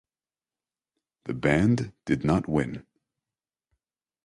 The band did not win.